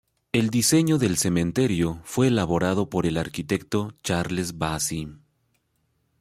El diseño del cementerio fue elaborado por el arquitecto Charles Bassi.